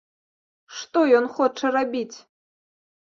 Што ён хоча рабіць?